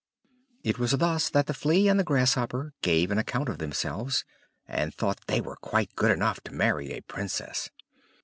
It was thus that the Flea and the Grasshopper gave an account of themselves, and thought they were quite good enough to marry a Princess.